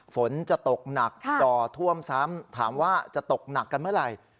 ฝนจะตกหนักจ่อท่วมซ้ำถามว่าจะตกหนักกันเมื่อไหร่